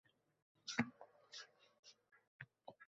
Yuqoridagilarni amalga oshirishda muammo bormi?